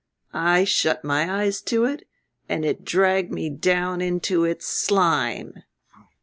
I shut my eyes to it and it dragged me down into its slime."